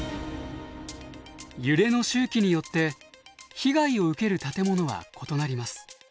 揺れの周期によって被害を受ける建物は異なります。